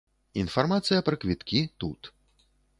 Інфармацыя пра квіткі тут.